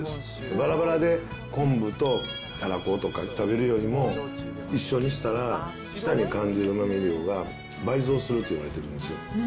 ばらばらで、昆布とたらことか食べるよりも、一緒にしたら、舌に感じるうまみ量が倍増するといわれているんですよ。